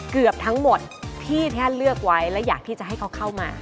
เกือบทั้งหมดพี่แค่เลือกไว้และอยากที่จะให้เขาเข้ามา